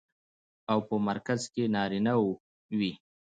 او په مرکز کې يې نارينه وي.